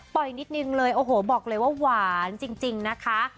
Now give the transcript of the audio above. นิดนึงเลยโอ้โหบอกเลยว่าหวานจริงนะคะ